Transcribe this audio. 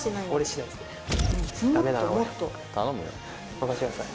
任してください。